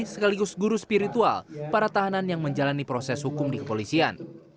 sekaligus guru spiritual para tahanan yang menjalani proses hukum di kepolisian